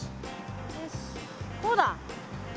よしこうだ。